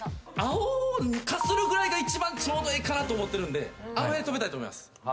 青をかするぐらいが一番ちょうどええかなと思ってるんであの辺止めたいと思います。